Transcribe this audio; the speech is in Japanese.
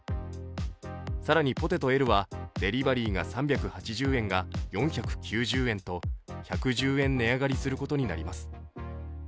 更に、ポテトＬはデリバリーが３８０円が４９０円と１１０円値上がりすることになります